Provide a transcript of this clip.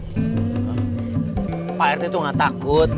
pak papayete tuh gak takut